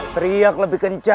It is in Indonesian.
teriak lebih kencang